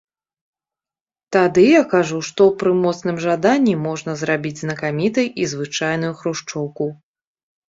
Тады я кажу, што пры моцным жаданні можна зрабіць знакамітай і звычайную хрушчоўку.